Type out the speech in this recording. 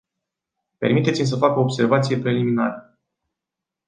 Permiteți-mi să fac o observație preliminară.